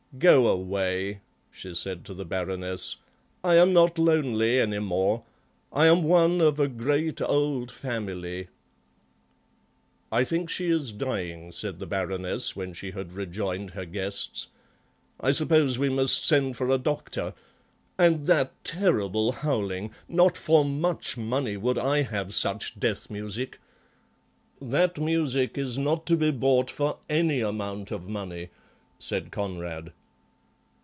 "Go away," she said to the Baroness; "I am not lonely any more. I am one of a great old family ..." "I think she is dying," said the Baroness when she had rejoined her guests; "I suppose we must send for a doctor. And that terrible howling! Not for much money would I have such death music." "That music is not to be bought for any amount of money," said Conrad.